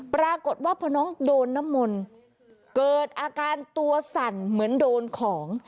ปรากฏว่าพอน้องโดนน้ำมนต์เกิดอาการตัวสั่นเหมือนโดนของ